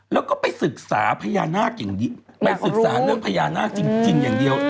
แล้วก็ไปศึกษาพญานาคอย่างนี้ไปศึกษาเรื่องพญานาคจริงอย่างเดียว